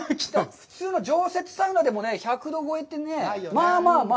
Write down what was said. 普通の常設サウナでも１００度超えって、まあまあまあ。